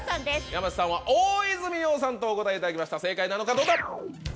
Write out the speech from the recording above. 山瀬さんは大泉洋さんとお答えいただきました正解なのかどうだ？